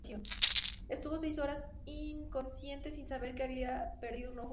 Estuvo seis horas inconsciente, sin saber que casi había perdido su ojo derecho.